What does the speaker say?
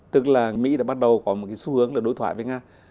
tức là mỹ đã bắt đầu có một xu hướng để đối thoại với nga